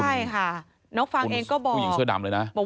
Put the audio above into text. ใช่ค่ะน้องฟางเองก็บอก